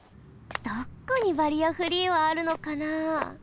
どこにバリアフリーはあるのかな？